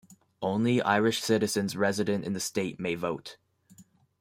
Only Irish citizens resident in the state may vote.